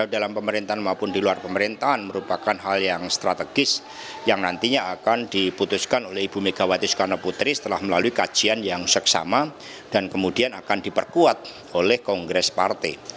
dalam pemerintahan maupun di luar pemerintahan merupakan hal yang strategis yang nantinya akan diputuskan oleh ibu megawati soekarno putri setelah melalui kajian yang seksama dan kemudian akan diperkuat oleh kongres partai